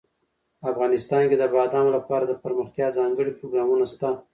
افغانستان کې د بادامو لپاره دپرمختیا ځانګړي پروګرامونه شته.